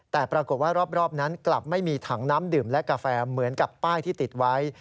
แต่ปรากฏว่ารอบนั้นกลับไม่มีถังน้ำดื่มและกาแฟเหมือนกับป้ายที่ติดไว้